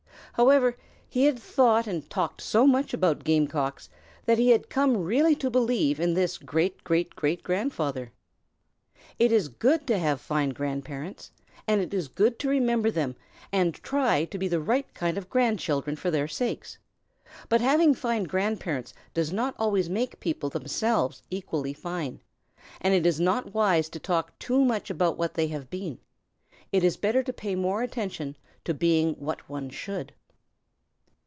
However, he had thought and talked so much about Game Cocks that he had come really to believe in this great great great grandfather. It is good to have fine grandparents, and it is good to remember them and try to be the right sort of grandchildren for their sakes, but having fine grandparents does not always make people themselves equally fine, and it is not wise to talk too much about what they have been. It is better to pay more attention to being what one should.